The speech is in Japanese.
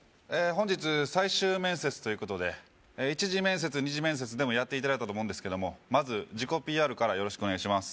本日最終面接ということで一次面接二次面接でもやっていただいたと思うんですけどもまず自己ＰＲからよろしくお願いします